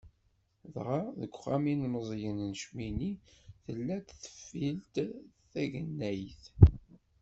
Dɣa deg Uxxam n yilmeẓyen n Cemmini, tella-d tafilt tagnennayt.